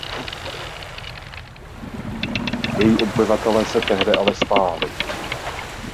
Její obyvatelé se tehdy ale stáhli.